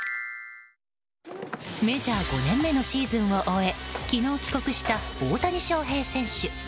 メジャー５年目のシーズンを終え昨日、帰国した大谷翔平選手。